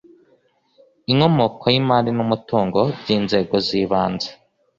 inkomoko y imari n umutungo by inzego z ibanze